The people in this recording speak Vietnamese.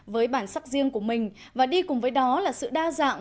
với bản sắc riêng của mình và đi cùng với đó là sự đa dạng